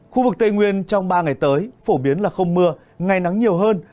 khu vực tây nguyên trong ba ngày tới phổ biến là không mưa ngày nắng nhiều hơn